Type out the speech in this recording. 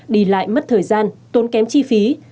đi lại mất thời gian tốn kém chi phí